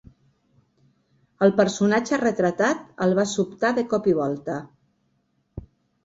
El personatge retratat el va sobtar de cop i volta